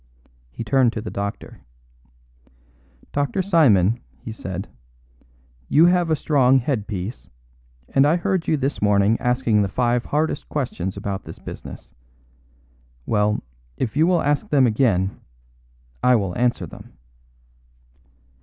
He turned to the doctor. "Dr. Simon," he said, "you have a strong head piece, and I heard you this morning asking the five hardest questions about this business. Well, if you will ask them again, I will answer them."